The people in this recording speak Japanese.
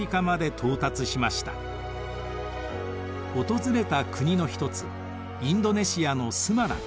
訪れた国の一つインドネシアのスマラン。